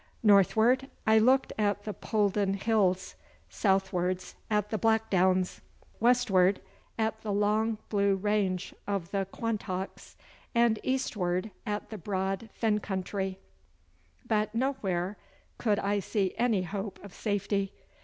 Northward I looked at the Polden Hills, southwards, at the Blackdowns, westward at the long blue range of the Quantocks, and eastward at the broad fen country; but nowhere could I see any hope of safety.